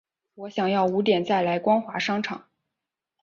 我想要五点再来光华商场